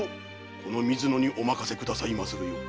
この水野にお任せくださいまするよう。